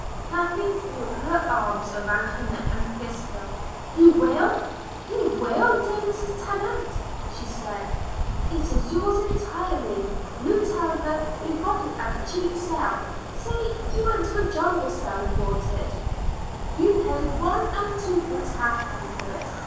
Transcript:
Kathleen threw her arms round her neck and kissed her. "You will you will, dear Mrs. Tennant," she said. "It is yours entirely. You tell her you got it at a cheap sale. Say you went to a jumble sale and bought it; you paid one and twopence halfpenny for it.